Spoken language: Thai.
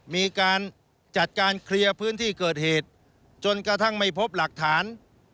มีการจัดการเคลียร์พื้นที่เกิดเหตุจนกระทั่งไม่พบหลักฐาน